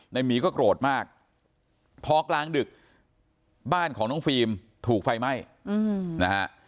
หมีก็โกรธมากพอกลางดึกบ้านของน้องฟิล์มถูกไฟไหม้นะฮะ